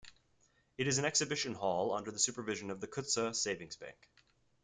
It is an exhibition hall under the supervision of the Kutxa savings bank.